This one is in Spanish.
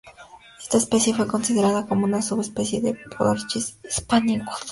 Esta especie fue considerada como una subespecie de "Podarcis hispanicus".